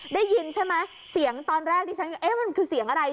ได้ยินใช่ไหมเสียงตอนแรกที่ฉันก็เอ๊ะมันคือเสียงอะไร